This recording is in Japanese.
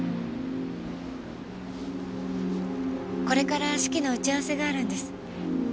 これから式の打ち合わせがあるんです。